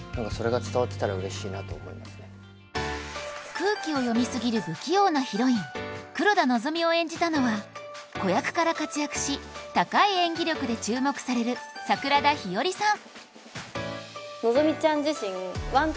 空気を読みすぎる不器用なヒロイン黒田希美を演じたのは子役から活躍し高い演技力で注目される桜田ひよりさん